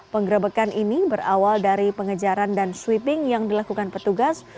penggerebekan ini berawal dari pengejaran dan sweeping yang dilakukan petugas